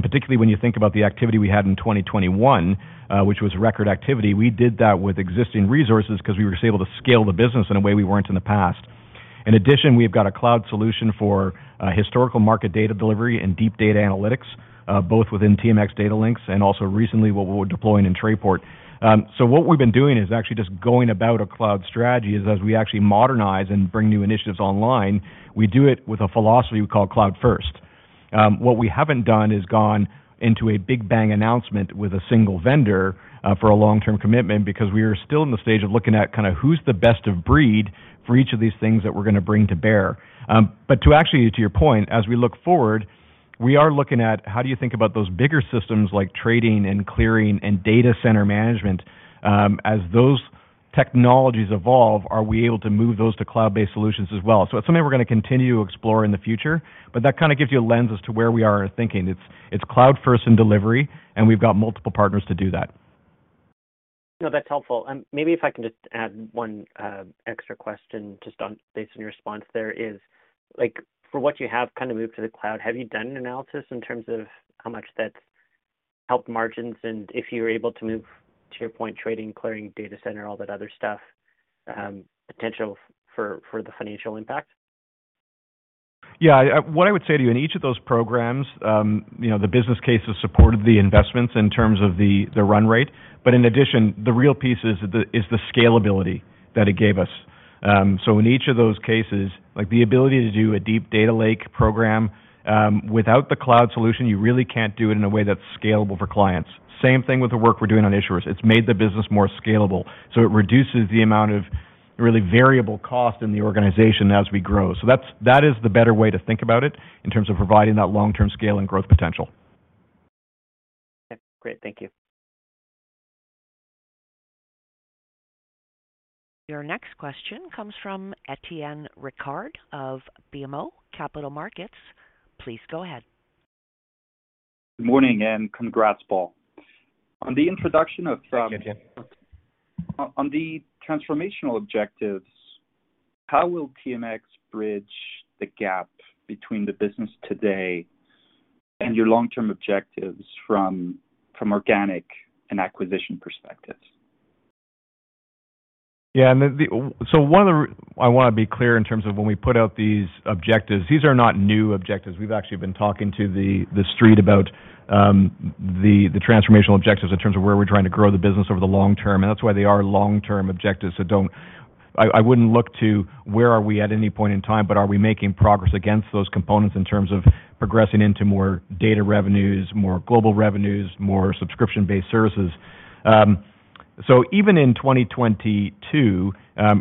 Particularly when you think about the activity we had in 2021, which was record activity, we did that with existing resources 'cause we were just able to scale the business in a way we weren't in the past. In addition, we've got a cloud solution for historical market data delivery and deep data analytics, both within TMX Datalinx and also recently what we're deploying in Trayport. What we've been doing is actually just going about a cloud strategy is as we actually modernize and bring new initiatives online, we do it with a philosophy we call cloud first. What we haven't done is gone into a big bang announcement with a single vendor for a long-term commitment because we are still in the stage of looking at kind of who's the best of breed for each of these things that we're gonna bring to bear. Actually, to your point, as we look forward, we are looking at how do you think about those bigger systems like trading and clearing and data center management. As those technologies evolve, are we able to move those to cloud-based solutions as well? It's something we're gonna continue to explore in the future, but that kind of gives you a lens as to where we are in thinking. It's cloud first in delivery, and we've got multiple partners to do that. No, that's helpful. Maybe if I can just add one extra question just based on your response there is, like, for what you have kind of moved to the cloud, have you done an analysis in terms of how much that's helped margins? If you're able to move to your point, trading, clearing, data center, all that other stuff, potential for the financial impact. Yeah. What I would say to you, in each of those programs, you know, the business cases supported the investments in terms of the run-rate. In addition, the real piece is the, is the scalability that it gave us. In each of those cases, like the ability to do a deep data lake program, without the cloud solution, you really can't do it in a way that's scalable for clients. Same thing with the work we're doing on issuers. It's made the business more scalable, so it reduces the amount of really variable cost in the organization as we grow. That is the better way to think about it in terms of providing that long-term scale and growth potential. Okay, great. Thank you. Your next question comes from Étienne Ricard of BMO Capital Markets. Please go ahead. Good morning and congrats, Paul. Thank you, Étienne. On the transformational objectives, how will TMX bridge the gap between the business today and your long-term objectives from organic and acquisition perspectives? Yeah. One of the I wanna be clear in terms of when we put out these objectives. These are not new objectives. We've actually been talking to the street about the transformational objectives in terms of where we're trying to grow the business over the long term. That's why they are long-term objectives. Don't I wouldn't look to where are we at any point in time, but are we making progress against those components in terms of progressing into more data revenues, more global revenues, more subscription-based services. Even in 2022,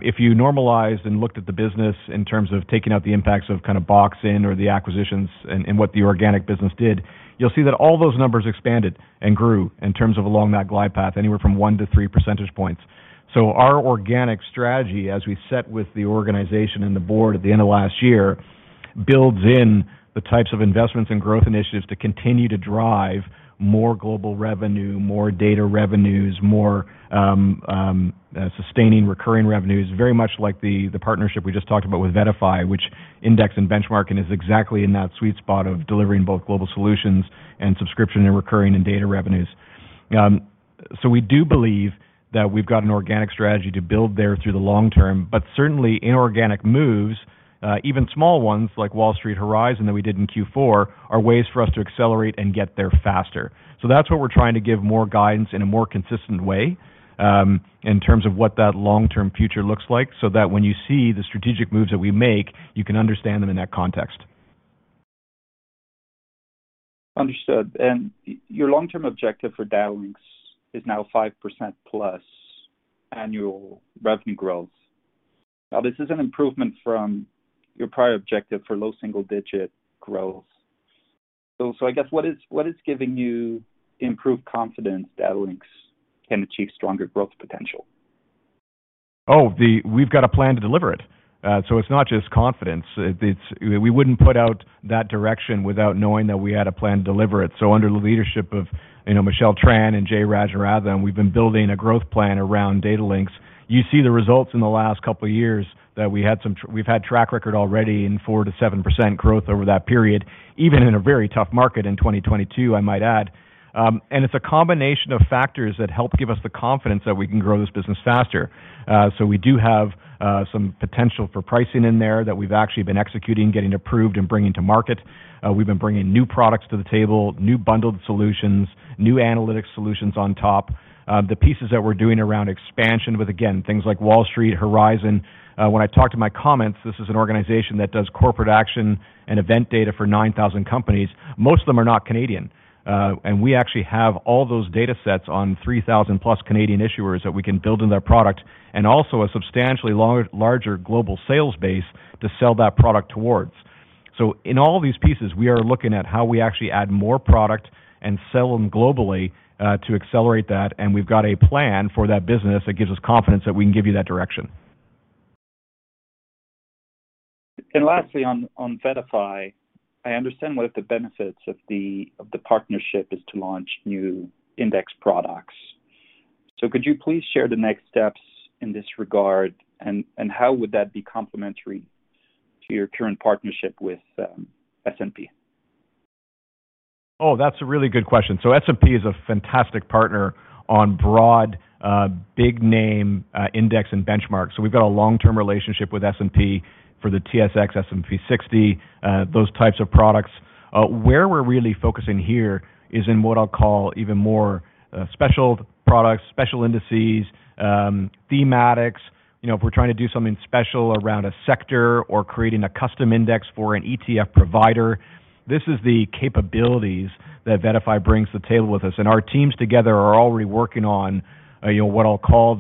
if you normalized and looked at the business in terms of taking out the impacts of kind of BOX Options Market or the acquisitions and what the organic business did, you'll see that all those numbers expanded and grew in terms of along that glide path anywhere from 1 to 3 percentage points. Our organic strategy, as we set with the organization and the board at the end of last year, builds in the types of investments and growth initiatives to continue to drive more global revenue, more data revenues, more sustaining recurring revenues. Very much like the partnership we just talked about with VettaFi, which index and benchmarking is exactly in that sweet spot of delivering both global solutions and subscription and recurring and data revenues. We do believe that we've got an organic strategy to build there through the long term, but certainly inorganic moves, even small ones like Wall Street Horizon that we did in Q4, are ways for us to accelerate and get there faster. That's what we're trying to give more guidance in a more consistent way, in terms of what that long-term future looks like, so that when you see the strategic moves that we make, you can understand them in that context. Understood. your long-term objective for Datalinx is now 5% plus annual revenue growth. This is an improvement from your prior objective for low single-digit growth. I guess what is giving you improved confidence Datalinx can achieve stronger growth potential? We've got a plan to deliver it. It's not just confidence. We wouldn't put out that direction without knowing that we had a plan to deliver it. Under the leadership of, you know, Michelle Tran and Jay Rajarathinam, we've been building a growth plan around TMX Datalinx. You see the results in the last couple of years that we've had track record already in 4%-7% growth over that period, even in a very tough market in 2022, I might add. It's a combination of factors that help give us the confidence that we can grow this business faster. We do have some potential for pricing in there that we've actually been executing, getting approved, and bringing to market. We've been bringing new products to the table, new bundled solutions, new analytics solutions on top. The pieces that we're doing around expansion with, again, things like Wall Street Horizon. When I talked to my comments, this is an organization that does corporate action and event data for 9,000 companies. Most of them are not Canadian. We actually have all those datasets on 3,000+ Canadian issuers that we can build in their product, and also a substantially larger global sales base to sell that product towards. In all these pieces, we are looking at how we actually add more product and sell them globally to accelerate that. We've got a plan for that business that gives us confidence that we can give you that direction. Lastly, on VettaFi, I understand one of the benefits of the partnership is to launch new index products. Could you please share the next steps in this regard, and how would that be complementary to your current partnership with S&P? That's a really good question. S&P is a fantastic partner on broad big name index and benchmarks. We've got a long-term relationship with S&P for the S&P/TSX 60, those types of products. Where we're really focusing here is in what I'll call even more special products, special indices, thematics. You know, if we're trying to do something special around a sector or creating a custom index for an ETF provider, this is the capabilities that VettaFi brings to the table with us. Our teams together are already working on, you know, what I'll call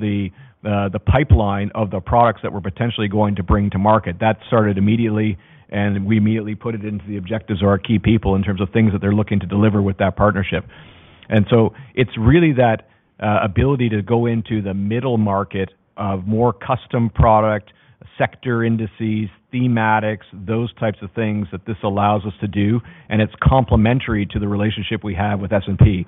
the pipeline of the products that we're potentially going to bring to market. That started immediately, and we immediately put it into the objectives of our key people in terms of things that they're looking to deliver with that partnership. It's really that ability to go into the middle market of more custom product, sector indices, thematics, those types of things that this allows us to do, and it's complementary to the relationship we have with S&P.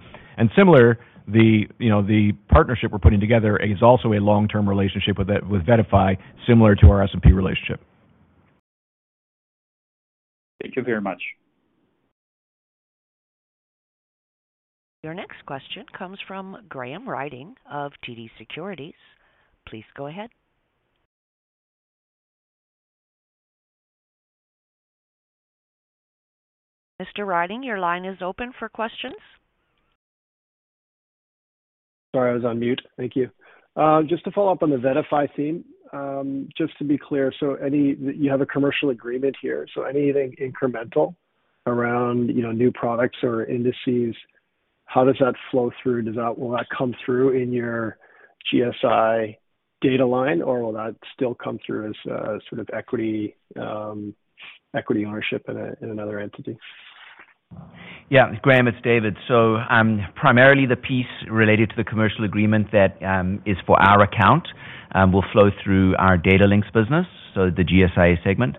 Similar, the, you know, the partnership we're putting together is also a long-term relationship with VettaFi similar to our S&P relationship. Thank you very much. Your next question comes from Graham Ryding of TD Securities. Please go ahead. Mr. Ryding, your line is open for questions. Sorry, I was on mute. Thank you. Just to follow up on the VettaFi theme, just to be clear, you have a commercial agreement here, so anything incremental around, you know, new products or indices, how does that flow through? Will that come through in your GSI data line, or will that still come through as a sort of equity ownership in another entity? Yeah. Graham, it's David. Primarily the piece related to the commercial agreement that is for our account will flow through our TMX Datalinx business, so the GSIA segment.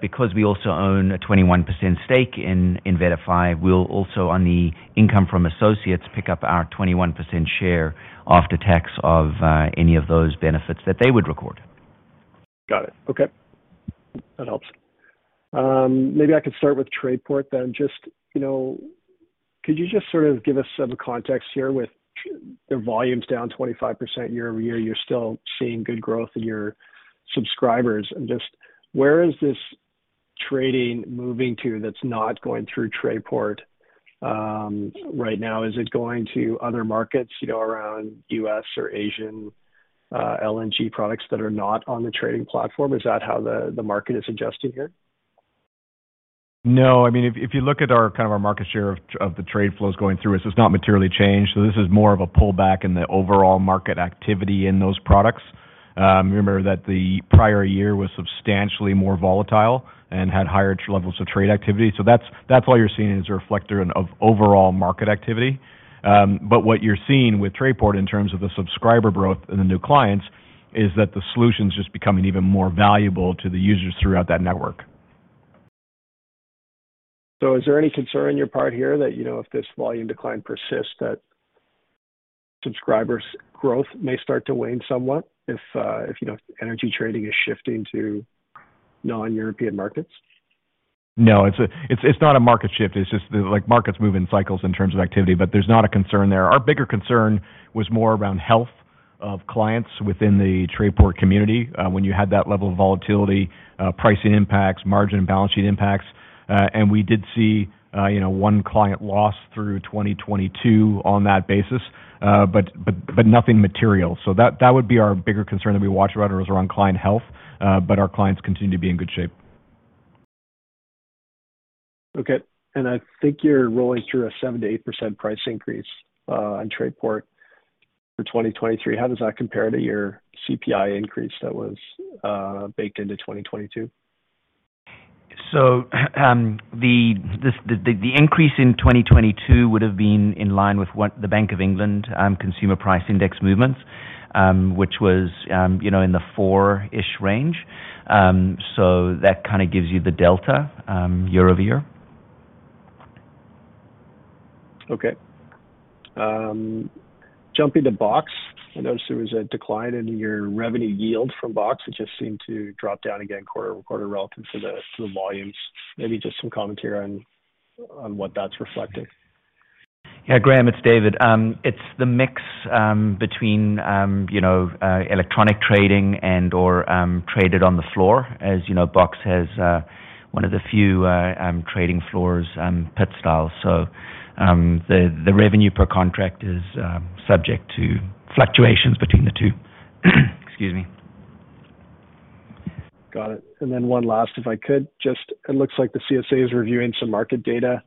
Because we also own a 21% stake in VettaFi, we'll also on the income from associates, pick up our 21% share after tax of any of those benefits that they would record. Got it. Okay. That helps. Maybe I could start with Trayport then. Just, you know, could you just sort of give us some context here with the volumes down 25% year-over-year, you're still seeing good growth in your subscribers. Just where is this trading moving to that's not going through Trayport right now? Is it going to other markets, you know, around U.S. or Asian LNG products that are not on the trading platform? Is that how the market is adjusting here? I mean, if you look at our kind of our market share of the trade flows going through, it's just not materially changed. This is more of a pullback in the overall market activity in those products. Remember that the prior year was substantially more volatile and had higher levels of trade activity. That's why you're seeing it as a reflector of overall market activity. What you're seeing with Trayport in terms of the subscriber growth and the new clients, is that the solution's just becoming even more valuable to the users throughout that network. Is there any concern on your part here that, you know, if this volume decline persists, that subscribers growth may start to wane somewhat if, you know, energy trading is shifting to non-European markets? No, it's not a market shift. It's just like markets move in cycles in terms of activity, but there's not a concern there. Our bigger concern was more around health of clients within the Trayport community. When you had that level of volatility, pricing impacts, margin and balance sheet impacts. We did see, you know, one client loss through 2022 on that basis, but nothing material. That would be our bigger concern that we watch about is around client health, but our clients continue to be in good shape. Okay. I think you're rolling through a 7%-8% price increase on Trayport for 2023. How does that compare to your CPI increase that was baked into 2022? The increase in 2022 would have been in line with what the Bank of England Consumer Price Index movements, which was, you know, in the 4-ish range. That kind of gives you the delta year-over-year. Okay. Jumping to BOX, I noticed there was a decline in your revenue yield from BOX. It just seemed to drop down again quarter-over-quarter relative to the volumes. Maybe just some commentary on what that's reflecting? Yeah, Graham, it's David. It's the mix between, you know, electronic trading and/or traded on the floor. As you know, BOX has one of the few trading floors, pit style. The revenue per contract is subject to fluctuations between the two. Excuse me. Got it. One last, if I could. Just it looks like the CSA is reviewing some market data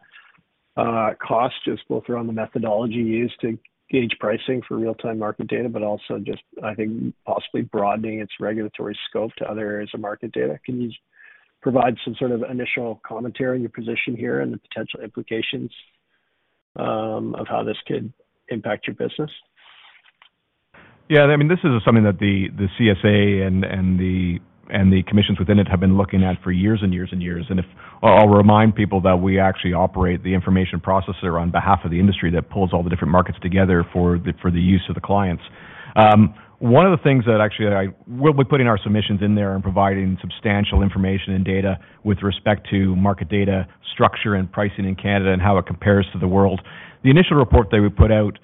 cost, just both around the methodology used to gauge pricing for real-time market data, but also just, I think, possibly broadening its regulatory scope to other areas of market data. Can you provide some sort of initial commentary on your position here and the potential implications of how this could impact your business? Yeah. I mean, this is something that the CSA and the commissions within it have been looking at for years and years and years. I'll remind people that we actually operate the information processor on behalf of the industry that pulls all the different markets together for the, for the use of the clients. One of the things that actually we'll be putting our submissions in there and providing substantial information and data with respect to market data structure and pricing in Canada and how it compares to the world. The initial report that we put out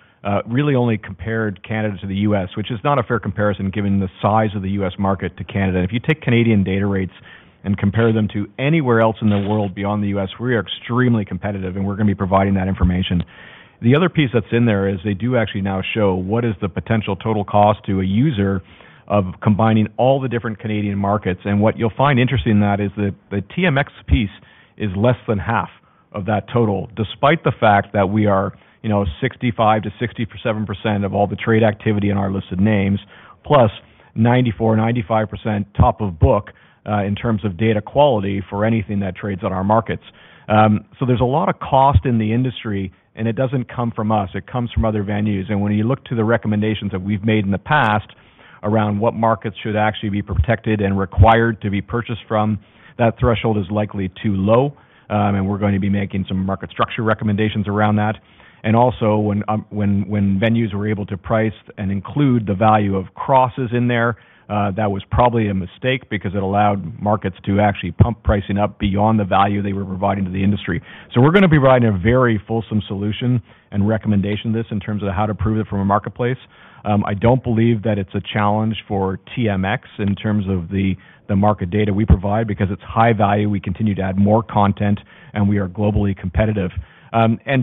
really only compared Canada to the U.S., which is not a fair comparison given the size of the U.S. market to Canada. If you take Canadian data rates and compare them to anywhere else in the world beyond the U.S., we are extremely competitive, and we're going to be providing that information. The other piece that's in there is they do actually now show what is the potential total cost to a user of combining all the different Canadian markets. What you'll find interesting in that is that the TMX piece is less than half of that total, despite the fact that we are, you know, 65%-67% of all the trade activity in our listed names, plus 94%, 95% top of book in terms of data quality for anything that trades on our markets. There's a lot of cost in the industry, and it doesn't come from us, it comes from other venues. When you look to the recommendations that we've made in the past around what markets should actually be protected and required to be purchased from, that threshold is likely too low. We're going to be making some market structure recommendations around that. Also when venues were able to price and include the value of crosses in there, that was probably a mistake because it allowed markets to actually pump pricing up beyond the value they were providing to the industry. We're going to be providing a very fulsome solution and recommendation this in terms of how to prove it from a marketplace. I don't believe that it's a challenge for TMX in terms of the market data we provide because it's high value, we continue to add more content and we are globally competitive.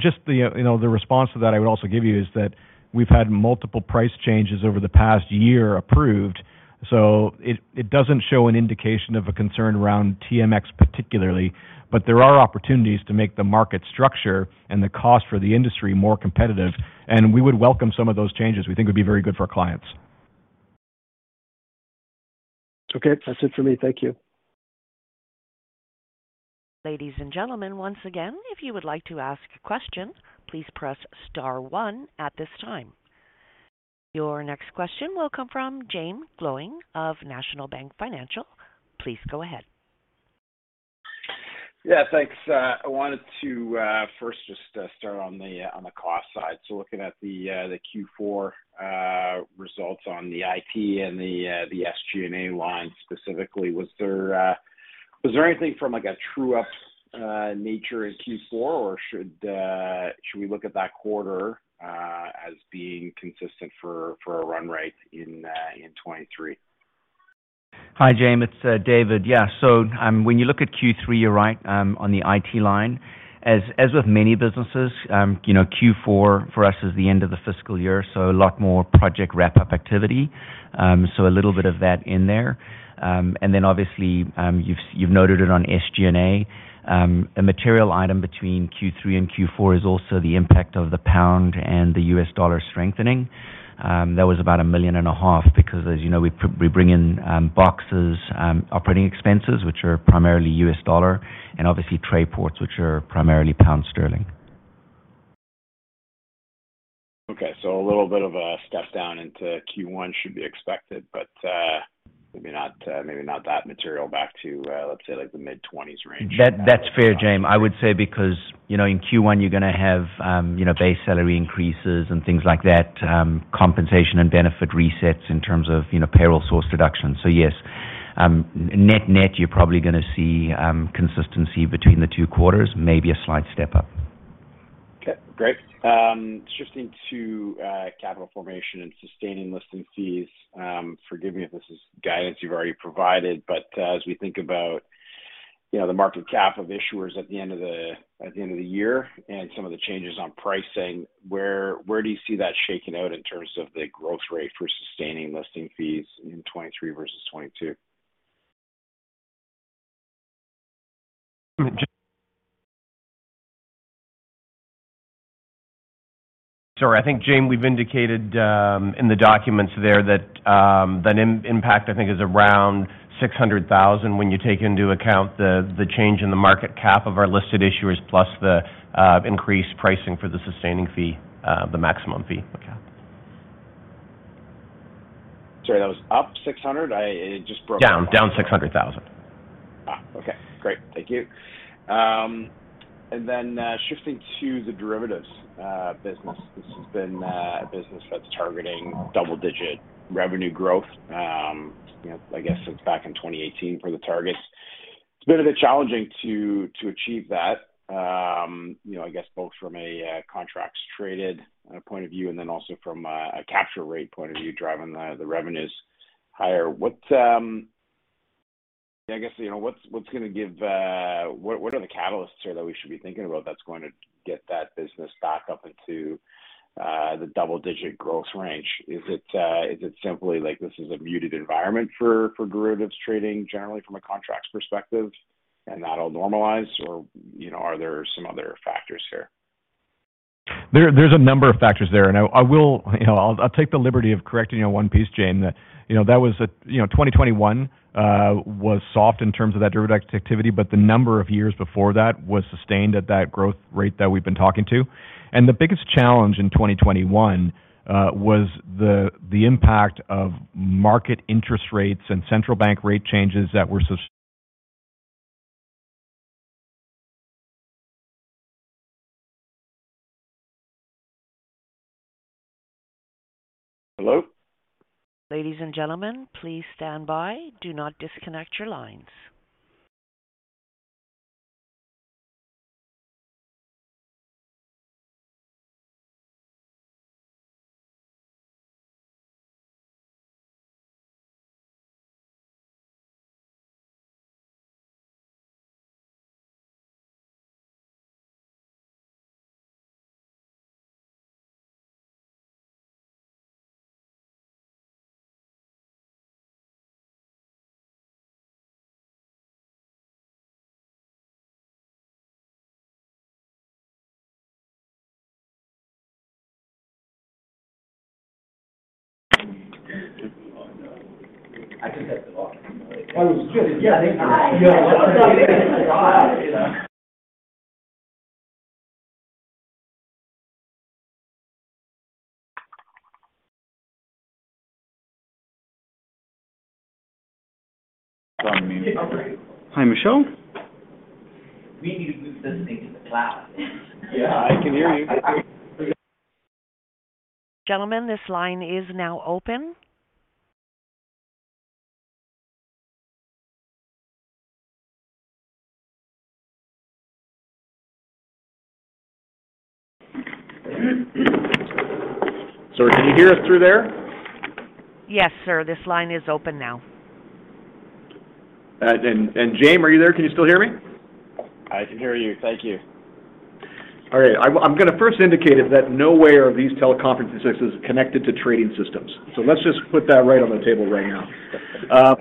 Just the, you know, the response to that I would also give you is that we've had multiple price changes over the past year approved, so it doesn't show an indication of a concern around TMX particularly. There are opportunities to make the market structure and the cost for the industry more competitive, we would welcome some of those changes we think would be very good for our clients. Okay, that's it for me. Thank you. Ladies and gentlemen, once again, if you would like to ask a question, please press star one at this time. Your next question will come from Jaeme Gloyn of National Bank Financial. Please go ahead. Yeah, thanks. I wanted to first just start on the cost side. Looking at the Q4 results on the IT and the SG&A line specifically. Was there anything from like a true up nature in Q4? Should we look at that quarter as being consistent for a run-rate in 2023? Hi, Jaeme, it's David. Yeah. When you look at Q3, you're right, on the IT line. As with many businesses, you know, Q4 for us is the end of the fiscal year, so a lot more project wrap up activity. A little bit of that in there. Obviously, you've noted it on SG&A. A material item between Q3 and Q4 is also the impact of the pound and the US dollar strengthening. That was about a million and a half because as you know, we bring in boxes operating expenses, which are primarily US dollar and obviously Trayport's, which are primarily pound sterling. Okay. A little bit of a step down into Q1 should be expected, but maybe not maybe not that material back to let's say like the mid-twenties range. That's fair, Jaeme. I would say because, you know, in Q1 you're going to have, you know, base salary increases and things like that, compensation and benefit resets in terms of, you know, payroll source reduction. Yes, net-net you're probably gonna see consistency between the two quarters, maybe a slight step up. Okay, great. Shifting to capital formation and sustaining listing fees. Forgive me if this is guidance you've already provided, but as we think about, you know, the market cap of issuers at the end of the year and some of the changes on pricing, where do you see that shaking out in terms of the growth rate for sustaining listing fees in 2023 versus 2022? Sorry. I think, Jaeme, we've indicated in the documents there that impact, I think, is around 600,000 when you take into account the change in the market cap of our listed issuers, plus the increased pricing for the sustaining fee, the maximum fee. Okay. Sorry, that was up 600? It just broke- Down. Down 600,000. Okay, great. Thank you. Shifting to the derivatives business. This has been a business that's targeting double-digit revenue growth, you know, I guess since back in 2018 for the targets. It's been a bit challenging to achieve that. You know, I guess both from a contracts traded point of view, and then also from a capture rate point of view, driving the revenues higher. What, I guess, you know, what's gonna give, what are the catalysts here that we should be thinking about that's going to get that business back up into the double-digit growth range? Is it, is it simply like this is a muted environment for derivatives trading generally from a contracts perspective and that'll normalize or, you know, are there some other factors here? There's a number of factors there, and I will, you know, I'll take the liberty of correcting you on one piece, Jaeme. That, you know, that was a, you know, 2021 was soft in terms of that derivative activity, but the number of years before that was sustained at that growth rate that we've been talking to. The biggest challenge in 2021 was the impact of market interest rates and central bank rate changes that were Hello? Ladies and gentlemen, please stand by. Do not disconnect your lines. Hi, Michelle. We need to move this thing to the cloud. Yeah, I can hear you. Gentlemen, this line is now open. Sir, can you hear us through there? Yes, sir. This line is open now. Jaeme, are you there? Can you still hear me? I can hear you. Thank you. All right. I'm gonna first indicate that nowhere are these teleconference systems connected to trading systems. Let's just put that right on the table right now.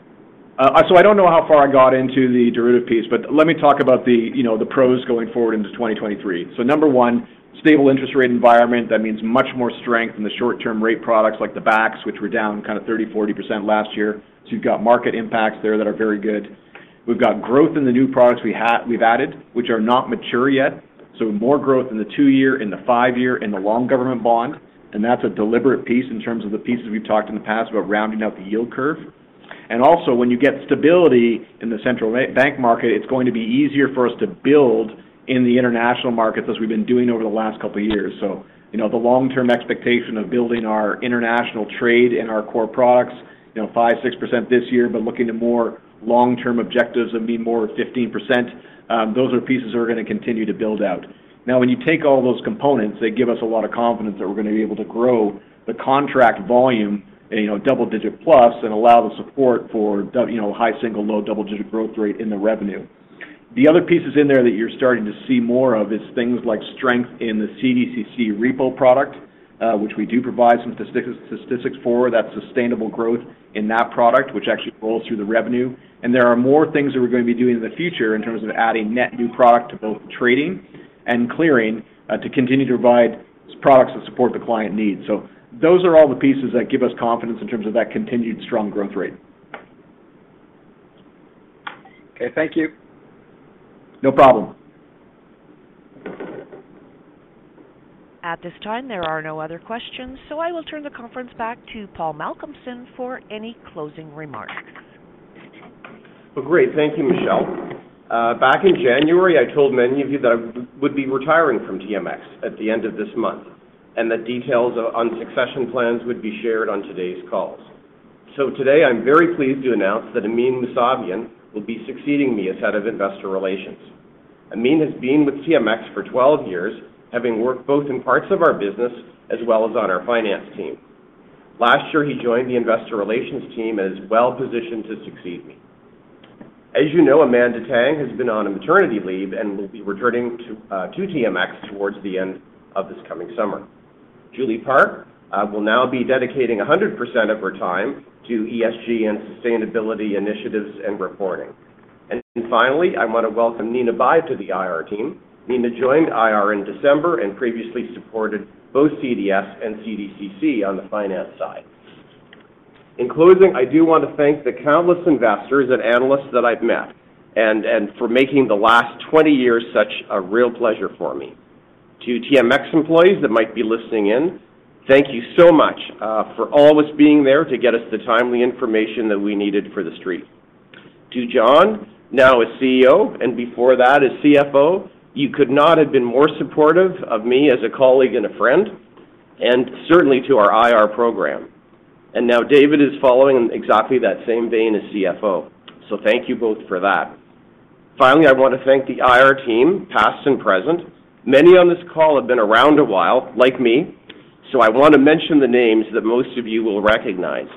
I don't know how far I got into the derivative piece, let me talk about the, you know, the pros going forward into 2023. Number one, stable interest rate environment, that means much more strength in the short-term rate products like the BAX, which were down kind of 30%-40% last year. You've got market impacts there that are very good. We've got growth in the new products we've added, which are not mature yet. More growth in the two-year, in the five-year, in the long government bond, that's a deliberate piece in terms of the pieces we've talked in the past about rounding out the yield curve. Also, when you get stability in the central bank market, it's going to be easier for us to build in the international markets as we've been doing over the last couple of years. You know, the long-term expectation of building our international trade and our core products, you know, 5%-6% this year, but looking to more long-term objectives and being more 15%, those are pieces that we're gonna continue to build out. Now, when you take all those components, they give us a lot of confidence that we're gonna be able to grow the contract volume, you know, double digit plus and allow the support for you know, high single, low double-digit growth rate in the revenue. The other pieces in there that you're starting to see more of is things like strength in the CDCC repo product, which we do provide some statistics for. That's sustainable growth in that product, which actually rolls through the revenue. There are more things that we're gonna be doing in the future in terms of adding net new product to both trading and clearing, to continue to provide products that support the client needs. Those are all the pieces that give us confidence in terms of that continued strong growth rate. Okay, thank you. No problem. At this time, there are no other questions. I will turn the conference back to Paul Malcolmson for any closing remarks. Well, great. Thank you, Michelle. Back in January, I told many of you that I would be retiring from TMX at the end of this month. The details on succession plans would be shared on today's calls. Today I'm very pleased to announce that Amin Mousavian will be succeeding me as Head of Investor Relations. Amin has been with TMX for 12 years, having worked both in parts of our business as well as on our finance team. Last year, he joined the Investor Relations team and is well-positioned to succeed me. As you know, Amanda Tang has been on a maternity leave and will be returning to TMX towards the end of this coming summer. Julie Park will now be dedicating 100% of her time to ESG and sustainability initiatives and reporting. Finally, I wanna welcome Nina Bai to the IR team. Nina joined IR in December and previously supported both CDS and CDCC on the finance side. In closing, I do want to thank the countless investors and analysts that I've met and for making the last 20 years such a real pleasure for me. To TMX employees that might be listening in, thank you so much for always being there to get us the timely information that we needed for the stream. To John, now as CEO, and before that as CFO, you could not have been more supportive of me as a colleague and a friend, and certainly to our IR program. Now David is following exactly that same vein as CFO. Thank you both for that. Finally, I wanna thank the IR team, past and present. Many on this call have been around a while, like me, I wanna mention the names that most of you will recognize.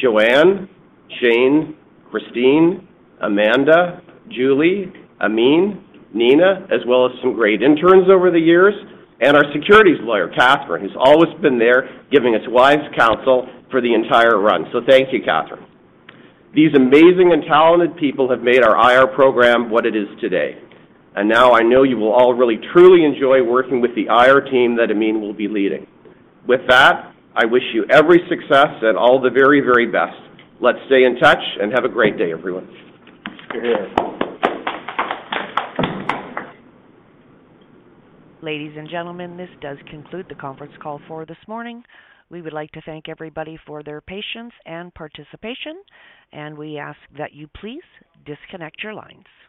Joanne, Shane, Christine, Amanda, Julie, Amin, Nina, as well as some great interns over the years, and our Securities lawyer, Catherine, who's always been there, giving us wise counsel for the entire run. Thank you, Catherine. These amazing and talented people have made our IR program what it is today. Now I know you will all really, truly enjoy working with the IR team that Amin will be leading. With that, I wish you every success and all the very, very best. Let's stay in touch and have a great day, everyone. Ladies and gentlemen, this does conclude the conference call for this morning. We would like to thank everybody for their patience and participation. We ask that you please disconnect your lines.